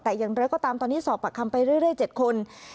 แต่ยังเลิกก็ตามตอนนี้สอบประคัมไปเรื่อย๗คน